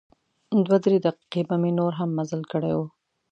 دوه درې دقیقې به مې نور هم مزل کړی و.